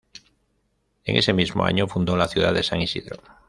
En ese mismo año fundó la ciudad de San Isidro.